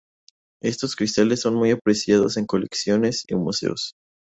Estos cristales son muy apreciados en colecciones y museos